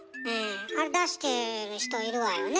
あれ出してる人いるわよね。